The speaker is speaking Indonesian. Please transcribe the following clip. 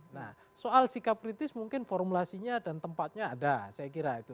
nah soal sikap kritis mungkin formulasinya dan tempatnya ada saya kira itu